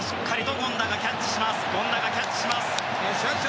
権田がキャッチします。